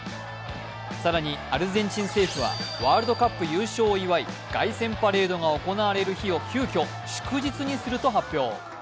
更にアルゼンチン政府はワールドカップ優勝を祝い凱旋パレードが行われる日を急きょ祝日にすると発表。